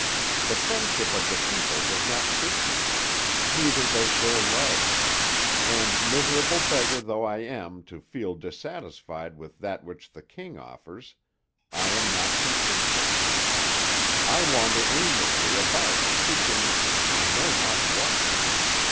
The friendship of the people does not suit me neither does their love; and, miserable beggar though I am to feel dissatisfied with that which The King offers, I am not content with it. I wander aimlessly about, seeking I know not what.